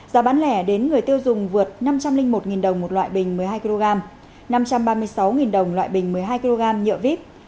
giá bán lẻ đến người tiêu dùng vượt năm trăm linh một đồng một loại bình một mươi hai kg năm trăm ba mươi sáu đồng loại bình một mươi hai kg nhựa vít